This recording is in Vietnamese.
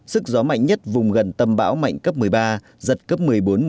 sức gió mạnh nhất vùng gần tâm bão mạnh cấp một mươi ba giật cấp một mươi bốn một mươi